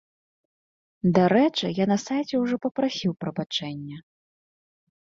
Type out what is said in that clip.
Дарэчы, я на сайце ўжо папрасіў прабачэння!